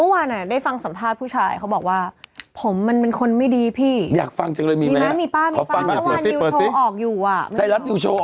ให้ทางมอบอำนาจให้กับเพื่อนอยู่ทางเนี้ยในการฟ้อง